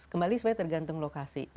kembali supaya tergantung lokasi